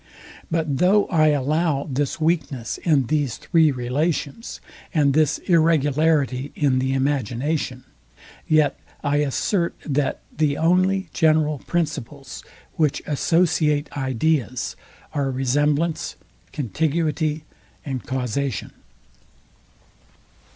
But though I allow this weakness in these three relations, and this irregularity in the imagination; yet I assert that the only general principles, which associate ideas, are resemblance, contiguity and causation.